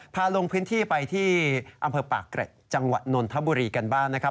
ลงพื้นที่ไปที่อำเภอปากเกร็ดจังหวัดนนทบุรีกันบ้างนะครับ